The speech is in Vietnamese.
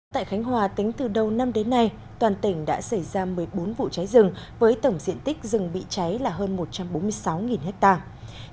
tại khánh hòa tính từ đầu năm đến nay toàn tỉnh đã xảy ra một mươi bốn vụ cháy rừng với tổng diện tích rừng bị cháy là hơn một trăm bốn mươi sáu hectare